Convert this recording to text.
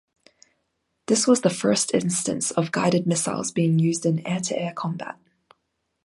This was the first instance of guided missiles being used in air-to-air combat.